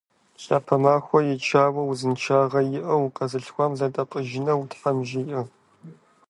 Лъапэ махуэ ичауэ, узыншагъэ иӀэну, къэзылъхуам зэдапӀыжыну Тхьэм жиӀэ!